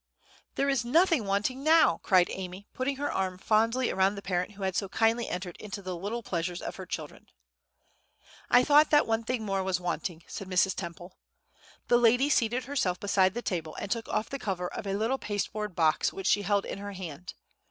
"There is nothing wanting now!" cried Amy, putting her arm fondly around the parent who had so kindly entered into the little pleasures of her children. "I thought that one thing more was wanting," said Mrs. Temple. The lady seated herself beside the table, and took off the cover of a little pasteboard box which she held in her hand.